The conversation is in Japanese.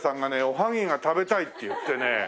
おはぎが食べたいっていってね。